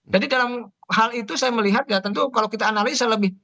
jadi dalam hal itu saya melihat ya tentu kalau kita analisa lebih